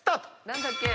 何だっけ？